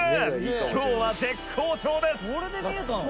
「今日は絶好調です」